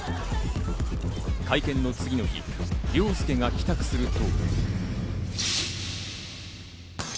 会見の次の日、凌介が帰宅すると。